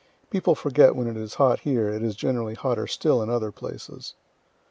People forget when it is hot here, it is generally hotter still in other places.